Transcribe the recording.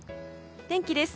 天気です。